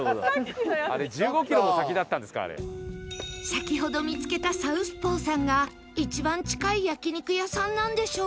先ほど見つけたサウスポーさんが一番近い焼肉屋さんなんでしょうか？